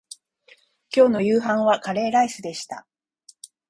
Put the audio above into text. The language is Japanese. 今日の夕飯はカレーライスでした